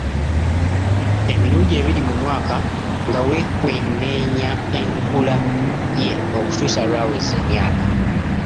Emirundi ebiri mu mwaka nga wekwekenneenya enkula ye okutuusa lw'aweza emyaka.